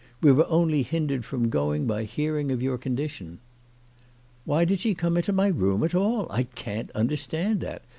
We were only hindered from going by hearing of your condition." " Why did she come into my room at all ? I can't understand that.